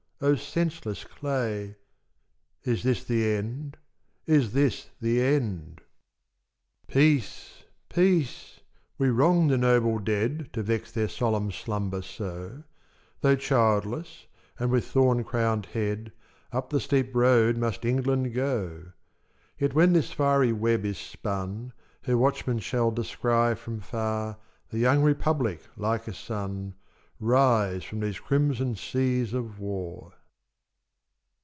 O senseless clay! Is this the end! is this the end! Peace, peace! we wrong the noble dead To vex their solemn slumber so; Though childless, and with thorn crowned head, Up the steep road must England go, Yet when this fiery web is spun, Her watchmen shall descry from far The young Republic like a sun Rise from these crimson seas of war.